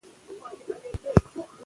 کال په ځینو وختونو کې ډېر اوږد ښکاري.